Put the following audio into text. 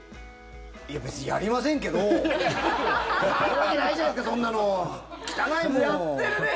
いや別にやりませんけどやるわけないじゃないですかやってるね。